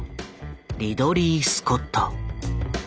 リドリー・スコット。